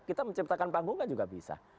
kita menciptakan panggung kan juga bisa